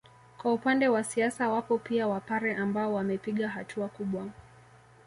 Kwa upande wa siasa wapo pia Wapare ambao wamepiga hatua kubwa